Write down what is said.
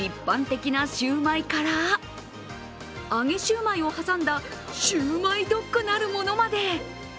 一般的なシューマイから揚げシューマイを挟んだシウマイドッグなるものまで。